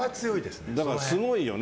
だから、すごいよね